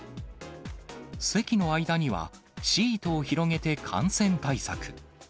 席の間にはシートを広げて感染対策。